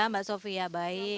ya mbak sofi ya baik